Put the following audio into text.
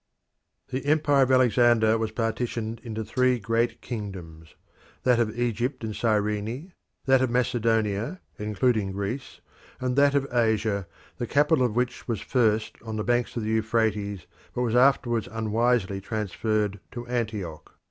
The empire of Alexander was partitioned into three great kingdoms that of Egypt and Cyrene, that of Macedonia, including Greece, and that of Asia, the capital of which was at first on the banks of the Euphrates, but was afterwards unwisely transferred to Antioch.